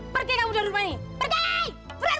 pergi kamu dari rumah ini pergi